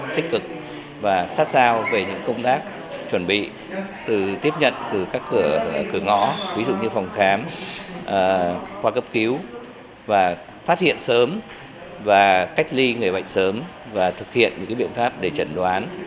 tích cực và sát sao về những công tác chuẩn bị từ tiếp nhận từ các cửa ngõ ví dụ như phòng khám khoa cấp cứu và phát hiện sớm và cách ly người bệnh sớm và thực hiện những biện pháp để chẩn đoán